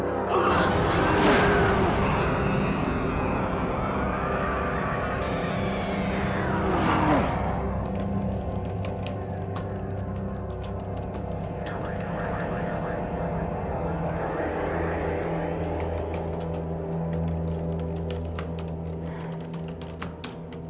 tidak ada yang bisa menghapusku